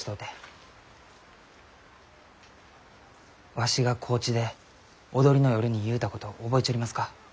わしが高知で踊りの夜に言うたこと覚えちょりますか？